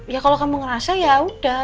ya kalau kamu ngerasa ya udah